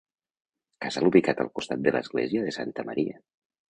Casal ubicat al costat de l'església de Santa Maria.